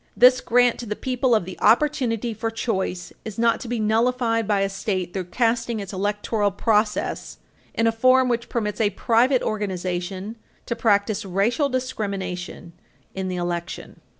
This grant to the people of the opportunity for choice is not to be nullified by a state through casting its electoral process in a form which permits a private organization to practice racial discrimination in the election.